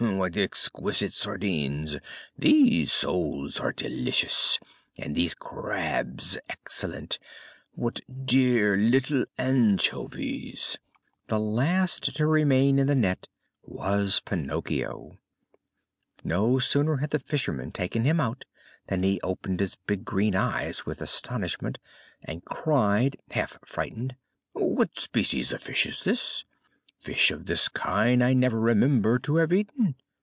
"What exquisite sardines!" "These soles are delicious!" "And these crabs excellent!" "What dear little anchovies!" The last to remain in the net was Pinocchio. No sooner had the fisherman taken him out than he opened his big green eyes with astonishment and cried, half frightened: "What species of fish is this? Fish of this kind I never remember to have eaten."